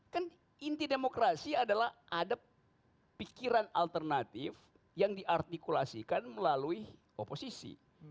kan inti demokrasi adalah ada pikiran alternatif yang diartikulasikan melalui oposisi